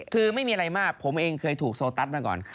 คือไม่มีอะไรมากผมเองเคยถูกโซตัสมาก่อน